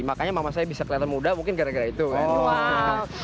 makanya mama saya bisa kelihatan muda mungkin gara gara itu kan